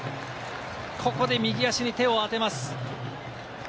ここで右足に手を当てます。